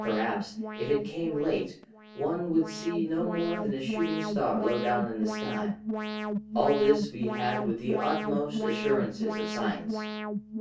Perhaps, if it came late, one would see no more than a shooting star low down in the sky. All this we had with the utmost assurances of science.